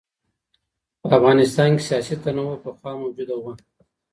په افغانستان کې سیاسي تنوع پخوا موجوده وه.